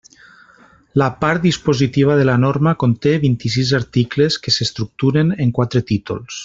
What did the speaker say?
La part dispositiva de la norma conté vint-i-sis articles que s'estructuren en quatre títols.